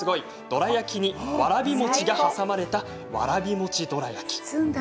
どら焼きにわらび餅が挟まれたわらび餅どら焼き。